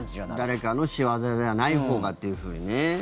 誰かの仕業じゃないほうがっていうふうにね。